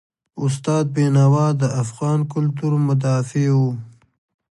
استاد بینوا د افغان کلتور مدافع و.